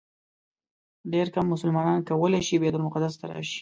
ډېر کم مسلمانان کولی شي بیت المقدس ته راشي.